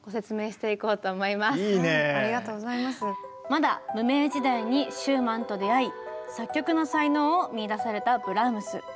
まだ無名時代にシューマンと出会い作曲の才能を見いだされたブラームス。